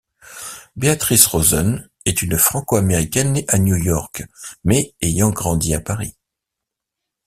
Beatrice Rosen est une franco-américaine née à New York mais ayant grandi à Paris.